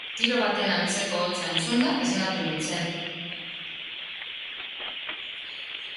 Tiro baten antzeko hotsa entzunda esnatu nintzen.